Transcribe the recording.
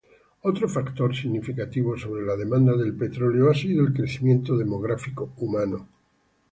Otro factor significativo sobre la demanda del petróleo ha sido el crecimiento demográfico humano.